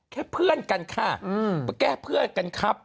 แค่เพื่อนกันค่ะแก้เพื่อนกันครับ